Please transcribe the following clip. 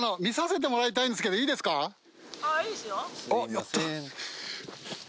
やった！